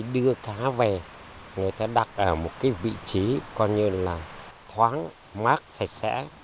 đưa cá về người ta đặt ở một cái vị trí coi như là thoáng mát sạch sẽ